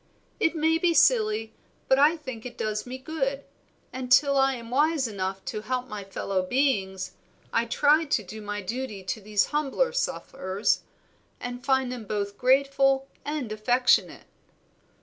It may be silly, but I think it does me good; and till I am wise enough to help my fellow beings, I try to do my duty to these humbler sufferers, and find them both grateful and affectionate."